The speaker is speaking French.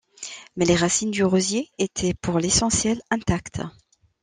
Mais les racines du rosier étaient pour l'essentiel intactes.